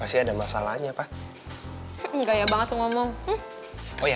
an rekan mada berhenti nge reg molecule ya